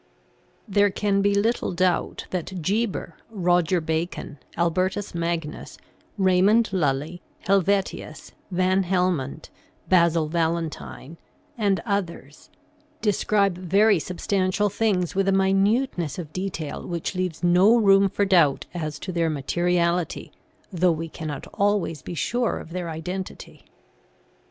There can be little doubt that Geber, Roger Bacon, Albertus Magnus, Raymond Lully, Helvetius, Van Hel mont, Basil Valentine, and others, describe very substan tial things with a minuteness of detail which leaves no room for doubt as to their materiality though we cannot always be sure of their identity.